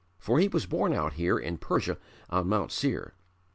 For he was born out here in Persia on Mount Seir.